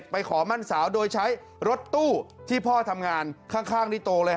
ขอมั่นสาวโดยใช้รถตู้ที่พ่อทำงานข้างนี่โตเลย